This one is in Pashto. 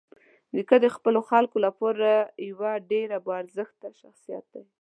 نیکه د خپلو خلکو لپاره یوه ډېره باارزښته شخصيت دی.